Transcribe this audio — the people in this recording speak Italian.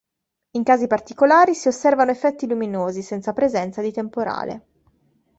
In casi particolari, si osservano effetti luminosi senza presenza di temporale.